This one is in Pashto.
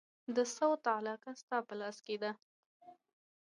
د سوات علاقه ستا په لاس کې ده.